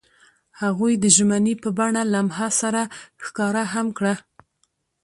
هغوی د ژمنې په بڼه لمحه سره ښکاره هم کړه.